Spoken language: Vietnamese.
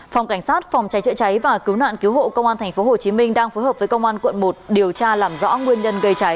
phòng cảnh sát phòng cháy chữa cháy và cứu nạn cứu hộ công an tp hcm đang phối hợp với công an quận một điều tra làm rõ nguyên nhân gây cháy